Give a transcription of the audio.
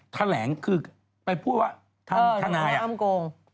แถลงคือไปพูดว่าท่านายเออท่านายอ้ำโกง